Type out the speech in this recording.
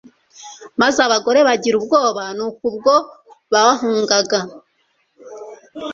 maze abagore bagira ubwoba. Nuko ubwo bahungaga,